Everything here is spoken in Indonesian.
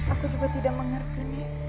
aku juga tidak mengerti